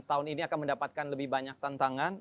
tahun ini akan mendapatkan lebih banyak tantangan